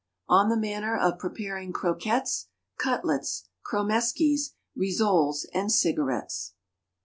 ON THE MANNER OF PREPARING CROQUETTES, CUTLETS, KROMESKIES, RISSOLES, AND CIGARETTES.